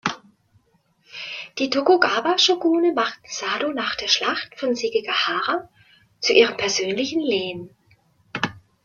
Die Tokugawa-Shogune machten Sado nach der Schlacht von Sekigahara zu ihrem persönlichen Lehen.